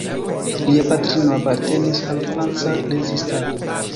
Lia patrino apartenis al franca rezistado.